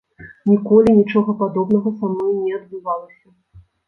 Ніколі нічога падобнага са мной не адбывалася.